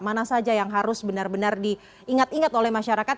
mana saja yang harus benar benar diingat ingat oleh masyarakat